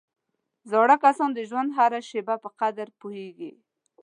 زاړه کسان د ژوند هره شېبه په قدر پوهېږي